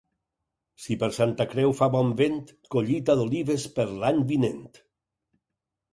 Si per Santa Creu fa bon vent, collita d'olives per l'any vinent.